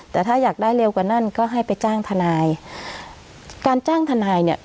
แต่ถ้าอยากได้เร็วกว่านั้นก็ให้ไปจ้างทนายการจ้างทนายเนี่ย